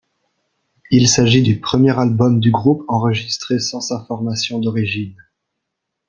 Il s'agit du premier album du groupe enregistré sans sa formation d'origine.